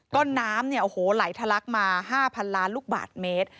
ก็น้ำไหลทะลักษณ์มา๕๐๐๐ล้านลูกบาทเมตร